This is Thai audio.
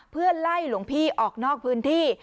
เพื่อไล่หลวงพี่ออกนอกพื้นที่